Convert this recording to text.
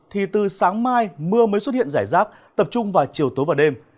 thì từ sáng mai mưa mới xuất hiện rải rác tập trung vào chiều tối và đêm